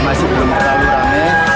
masih belum terlalu ramai